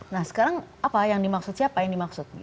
nah sekarang apa yang dimaksud siapa yang dimaksud